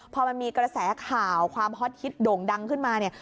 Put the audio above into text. พอมันมีกระแสข่าวความฮอตฮิตโด่งดังขึ้นมาเนี่ย